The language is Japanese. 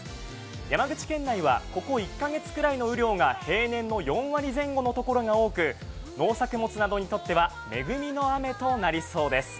山口県内はここ１か月くらいの雨量が平年の４割前後のところが多く、農作物などにとっては、恵みの雨となりそうです。